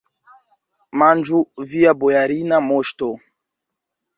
Manĝu, via bojarina moŝto!